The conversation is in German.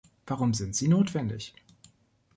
Warum sind sie notwendig?